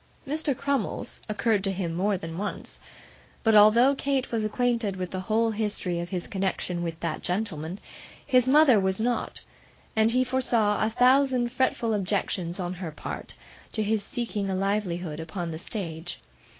Mr. Crummles occurred to him more than once; but although Kate was acquainted with the whole history of his connection with that gentleman, his mother was not; and he foresaw a thousand fretful objections, on her part, to his seeking a livelihood upon the stage.